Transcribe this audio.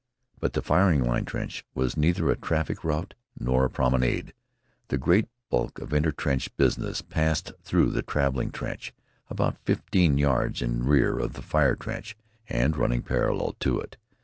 But the firing line trench was neither a traffic route nor a promenade. The great bulk of inter trench business passed through the traveling trench, about fifteen yards in rear of the fire trench and running parallel to it.